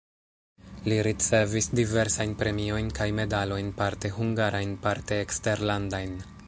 Li ricevis diversajn premiojn kaj medalojn parte hungarajn, parte eksterlandajn.